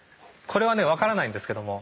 これはね分からないんですけども。